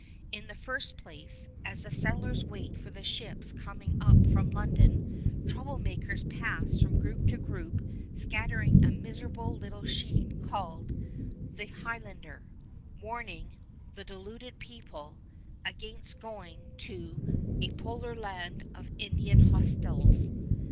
In the first place, as the settlers wait for the ships coming up from London, trouble makers pass from group to group scattering a miserable little sheet called "The Highlander," warning "the deluded people" against going to "a polar land of Indian hostiles."